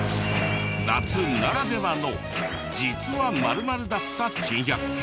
夏ならではの実は○○だった珍百景。